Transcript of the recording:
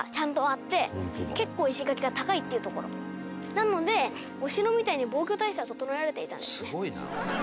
なのでお城みたいに防御対策が整えられていたんですね。